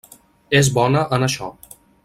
És bona en això.